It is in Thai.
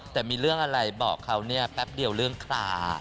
แต่มีเรื่องอะไรบอกเขาเนี่ยแป๊บเดียวเรื่องคลา